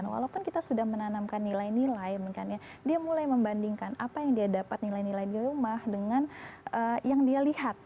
walaupun kita sudah menanamkan nilai nilai dia mulai membandingkan apa yang dia dapat nilai nilai di rumah dengan yang dia lihat